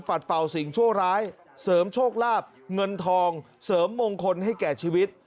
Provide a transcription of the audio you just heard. เป่าสิ่งชั่วร้ายเสริมโชคลาบเงินทองเสริมมงคลให้แก่ชีวิต